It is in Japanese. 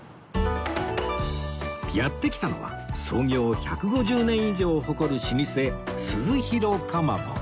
やって来たのは創業１５０年以上を誇る老舗鈴廣かまぼこ